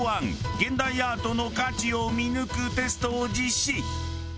現代アートの価値を見抜くテストを実施。